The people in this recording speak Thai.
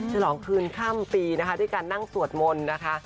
หล่อคืนคั่มปีด้วยการนั่งสวดมนต์นะคะ